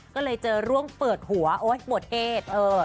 ก็เลยเจอร่วงเปิดหัวโอ๊ยบวชเอด